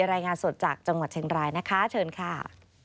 รายงานสดจากจังหวัดเชียงรายนะคะเชิญค่ะ